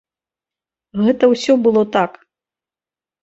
Гэта ўсё было так.